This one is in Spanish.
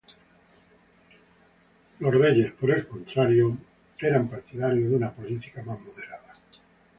Los reyes, por el contrario, eran partidarios de una política más moderada.